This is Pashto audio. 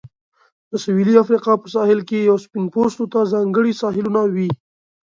د سویلي افریقا په ساحل کې سپین پوستو ته ځانګړي ساحلونه وې.